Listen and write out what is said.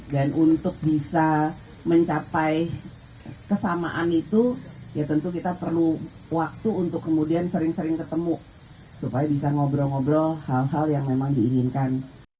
dan untuk bisa mencapai kesamaan itu ya tentu kita perlu waktu untuk kemudian sering sering ketemu supaya bisa ngobrol ngobrol hal hal yang memang diinginkan